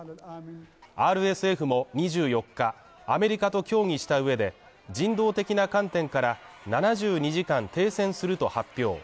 ＲＳＦも２４日、アメリカと協議した上で、人道的な観点から７２時間停戦すると発表。